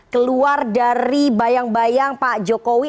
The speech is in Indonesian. keluar dari bayang bayang pak jokowi